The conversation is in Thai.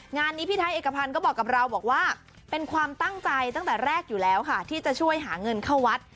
งานนี้พี่ไทยเอกพันธ์ก็บอกกับเราบอกว่าเป็นความตั้งใจตั้งแต่แรกอยู่แล้วค่ะที่จะช่วยหาเงินเข้าวัด